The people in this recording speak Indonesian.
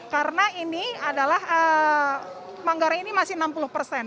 karena ini adalah manggare ini masih enam puluh persen